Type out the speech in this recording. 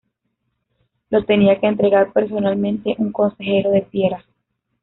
Lo tenía que entregar personalmente un consejero de Piera.